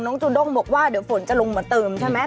จูด้งบอกว่าเดี๋ยวฝนจะลงมาเติมใช่ไหม